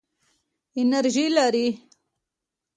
د څلورو ورځو کاري اونۍ وروسته خلک خوشاله او پوره انرژي لري.